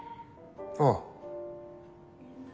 ああ。